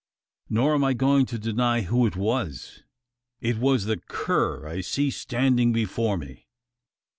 Nor am I going to deny who it was. It was the cur I see standing before me."